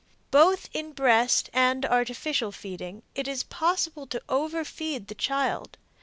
Both in breast and artificial feeding it is possible to overfeed the child.